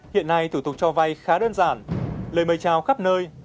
hiện nay thủ tục cho vay khá đơn giản lời mời trao khắp nơi